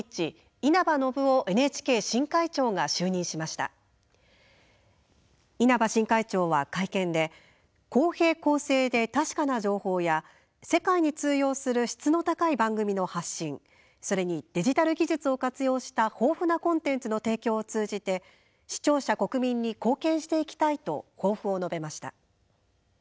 稲葉新会長は会見で公平・公正で確かな情報や世界に通用する質の高い番組の発信それにデジタル技術を活用した豊富なコンテンツの提供を通じて視聴者、国民に貢献していきたいと抱負を述べました。